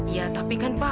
ya tapi kan pak